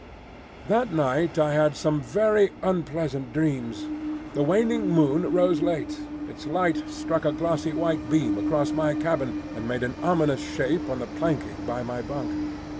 That night I had some very unpleasant dreams. The waning moon rose late. Its light struck a ghostly white beam across my cabin, and made an ominous shape on the planking by my bunk.